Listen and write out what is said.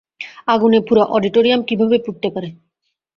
আগুনে পুরো অডিটরিয়াম কিভাবে পুড়তে পারে?